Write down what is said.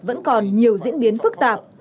vẫn còn nhiều diễn biến phức tạp